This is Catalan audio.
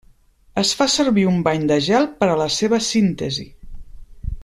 Es fa servir un bany de gel per a la seva síntesi.